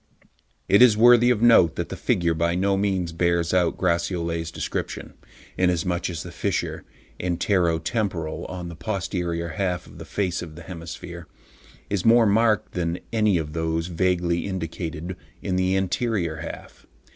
It is worthy of note that the figure by no means bears out Gratiolet's description, inasmuch as the fissure (antero temporal) on the posterior half of the face of the hemisphere is more marked than any of those vaguely indicated in the anterior half.